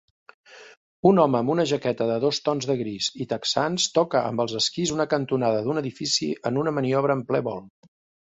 Un home amb una jaqueta de dos tons de gris i texans toca amb els esquís una cantonada d'un edifici en una maniobra en ple vol